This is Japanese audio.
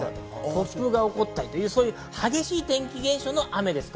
突風が起こったり、激しい天気現象の雨です。